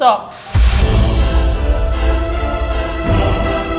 tapi aku tak mau